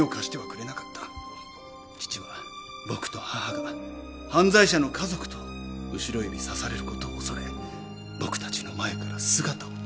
父は僕と母が犯罪者の家族と後ろ指さされる事を恐れ僕たちの前から姿を消した。